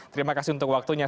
terima kasih untuk waktunya